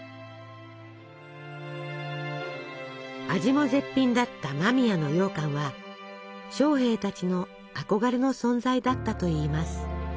味も絶品だった間宮のようかんは将兵たちの憧れの存在だったといいます。